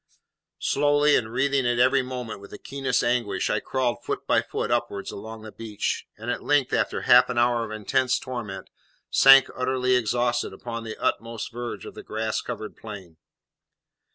Slowly, and writhing at every movement with the keenest anguish, I crawled foot by foot upwards along the beach, and at length, after half an hour of intense torment, sank utterly exhausted upon the utmost verge of the grass covered plain.